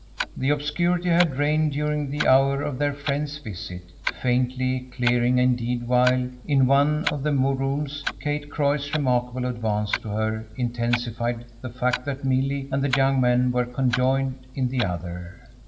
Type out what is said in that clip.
The obscurity had reigned during the hour of their friends' visit, faintly clearing indeed while, in one of the rooms, Kate Croy's remarkable advance to her intensified the fact that Milly and the young man were conjoined in the other.